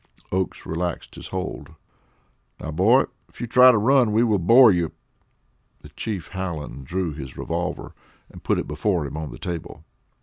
Oakes relaxed his hold. "Now, boy, if you try to run, we will bore you," and Chief Hallen drew his revolver and put it before him on the table.